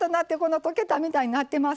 溶けたみたいになってます。